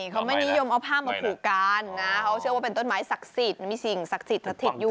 เขาไม่นิยมเอาผ้ามาผูกกันนะเขาเชื่อว่าเป็นต้นไม้ศักดิ์สิทธิ์